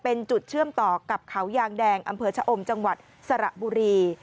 เป็นจุดเชื่อมต่อกับเขายางแดงอำเภอชะอมจังหวัดสระบุรี